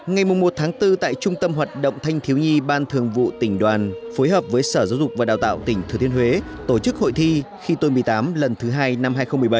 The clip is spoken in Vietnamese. ngày một bốn tại trung tâm hoạt động thanh thiếu nhi ban thường vụ tỉnh đoàn phối hợp với sở giáo dục và đào tạo tỉnh thừa thiên huế tổ chức hội thi khi tôi một mươi tám lần thứ hai năm hai nghìn một mươi bảy